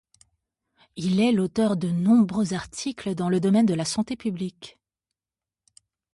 Il est l'auteur de nombreux articles dans le domaine de la santé publique.